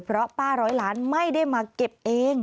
เพราะป้าร้อยล้านไม่ได้มาเก็บเอง